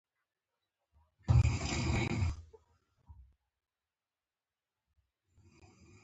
عصري تعلیم مهم دی ځکه چې د ارتباط مهارتونه پیاوړی کوي.